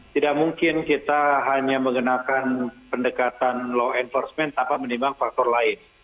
tidak mungkin kita hanya mengenakan pendekatan law enforcement tanpa menimbang faktor lain